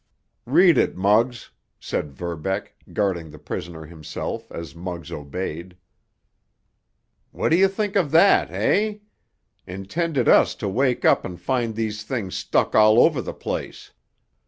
"Read it, Muggs," said Verbeck, guarding the prisoner himself as Muggs obeyed. "What do you think of that, eh? Intended us to wake up and find these things stuck all over the place!